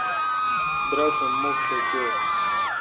دراشوم مکھ تہ چو۔